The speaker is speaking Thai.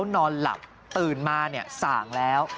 นอนหลับตื่นมาส่างแล้ว